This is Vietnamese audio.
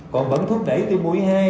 còn vẫn thúc đẩy tiêm mũi hai